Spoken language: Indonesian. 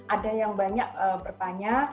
ada yang banyak bertanya